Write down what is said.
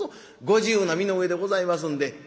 ご自由な身の上でございますんで」。